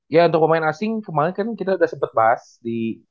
ya untuk pemain asing kemarin kan kita sudah sempat bahas di